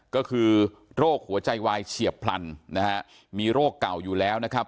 ก็คือโรคหัวใจวายเฉียบพลันนะฮะมีโรคเก่าอยู่แล้วนะครับ